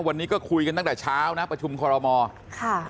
วันนี้ก็คุยกันตั้งแต่เช้านะประชุมคอรมอค่ะ